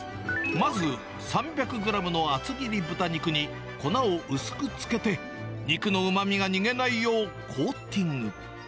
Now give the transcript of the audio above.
まず３００グラムの厚切り豚肉に粉を薄くつけて、肉のうまみが逃げないようコーティング。